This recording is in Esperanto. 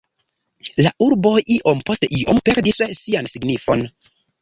La urbo iom post iom perdis sian signifon.